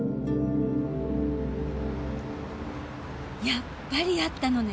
やっぱりあったのね。